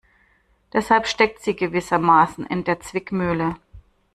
Deshalb steckt sie gewissermaßen in der Zwickmühle.